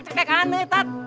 eh mencekak cekak ane tat